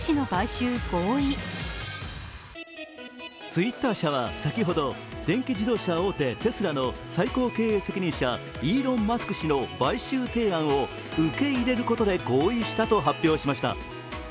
ツイッター社は先ほど、電気自動車大手テスラの最高責任者、イーロン・マスク氏の買収提案を受け入れることで合意したと発表しました。